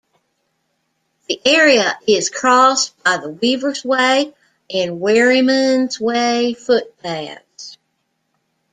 The area is crossed by the Weavers' Way and Wherryman's Way footpaths.